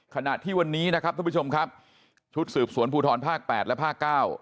ขณะที่วันนี้นะครับท่านผู้ชมครับชุดสืบสวนภูทรภาค๘และภาคเก้า